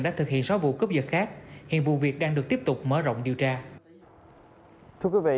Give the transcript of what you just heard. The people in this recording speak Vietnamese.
đã thực hiện sáu vụ cướp giật khác hiện vụ việc đang được tiếp tục mở rộng điều tra thưa quý vị